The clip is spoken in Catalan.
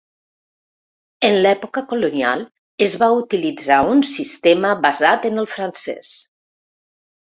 En l'època colonial es va utilitzar un sistema basat en el francès.